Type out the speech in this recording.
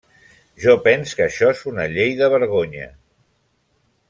-Jo pens que això és una llei de vergonya.